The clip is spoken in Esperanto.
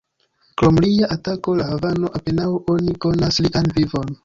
Krom lia atako al Havano, apenaŭ oni konas lian vivon.